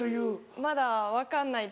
まだ分かんないです